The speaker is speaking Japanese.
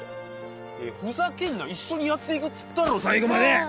ふざけんな一緒にやって行くっつったろ最後まで！